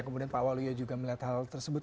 kemudian pak walia juga melihat hal tersebut